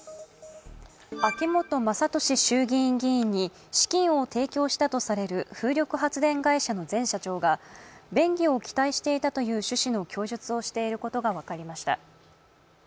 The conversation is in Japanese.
秋本真利衆院議員に資金を提供したとされる風力発電会社の前社長が便宜を期待していたという趣旨の供述をしていることが分かりました。